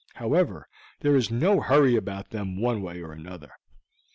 However, there is no hurry about them one way or another.